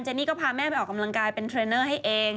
นี่ก็พาแม่ไปออกกำลังกายเป็นเทรนเนอร์ให้เอง